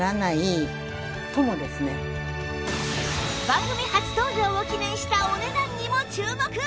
番組初登場を記念したお値段にも注目！